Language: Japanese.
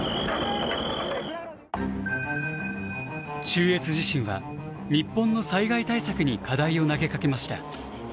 中越地震は日本の災害対策に課題を投げかけました。